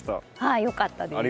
ああよかったです。